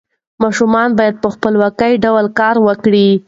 ماشومان باید په خپلواک ډول کار وکړي.